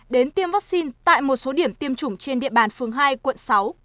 đến tiêm vaccine tại một số điểm tiêm chủng trên địa bàn phường hai quận sáu